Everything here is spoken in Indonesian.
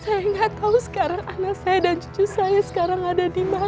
saya nggak tahu sekarang anak saya dan cucu saya sekarang ada di bawah